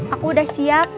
aku udah siap